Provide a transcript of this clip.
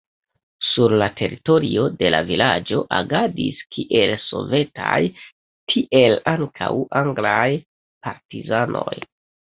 Sur la teritorio de la vilaĝo agadis kiel sovetaj, tiel ankaŭ anglaj partizanoj.